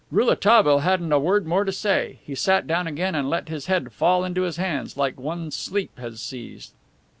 Rouletabille hadn't a word more to say. He sat down again and let his head fall into his hands, like one sleep has seized.